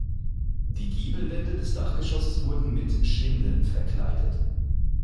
Die Giebelwände des Dachgeschosses wurden mit Schindeln verkleidet.